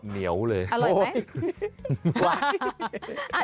เหนียวเลยอร่อยไหม